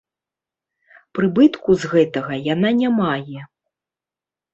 Прыбытку з гэтага яна не мае.